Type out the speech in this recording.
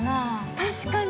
◆確かに。